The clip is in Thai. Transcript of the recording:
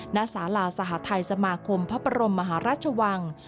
ณสาราสหทัยสมาคมพระบรมมหาราชวัง